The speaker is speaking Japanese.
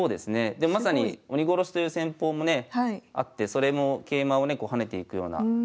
でもまさに鬼ごろしという戦法もねあってそれも桂馬をねこう跳ねていくようなイメージですけど。